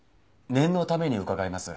念のために伺います。